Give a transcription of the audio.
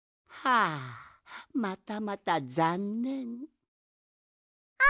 あまたまたざんねん。